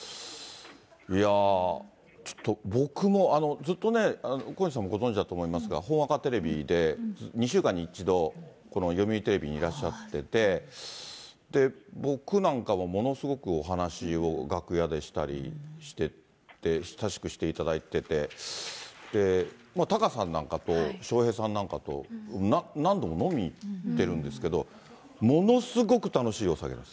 いやー、ちょっと、僕もずっとね、小西さんもご存じだと思いますが、ほんわかテレビで、２週間に１度、この読売テレビにいらっしゃってて、僕なんかはものすごくお話を楽屋でしたりしてて、親しくしていただいてて、タカさんなんかと、笑瓶さんなんかと、何度も飲みにいってるんですけれども、ものすごく楽しいお酒なんです。